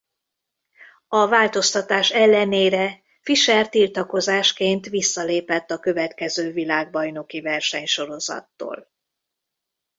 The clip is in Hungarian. A változtatás ellenére Fischer tiltakozásként visszalépett a következő világbajnoki versenysorozattól.